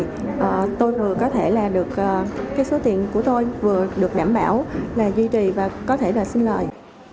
thì tôi vừa có thể là được cái số tiền của tôi vừa được đảm bảo là duy trì và có thể là xin lời